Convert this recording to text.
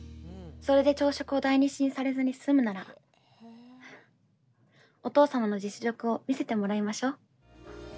「それで朝食を台なしにされずに済むならお父様の実力を見せてもらいましょ」。